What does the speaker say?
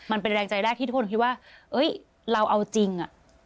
มันเป็นแรงใจแรกที่ทุกคนคิดว่าเราเอาจริง